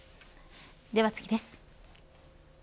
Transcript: では次です。